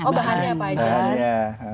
oh bahannya apa aja